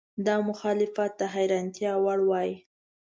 دا مخالفت د حیرانتیا وړ وای.